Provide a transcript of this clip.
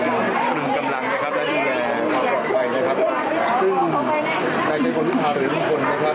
และมากกว่าไปนะครับซึ่งในเฉพาะวิทยาลุยมีคนนะครับ